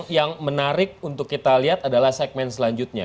yang menarik untuk kita lihat adalah segmen selanjutnya